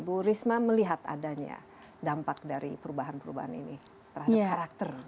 bu risma melihat adanya dampak dari perubahan perubahan ini terhadap karakter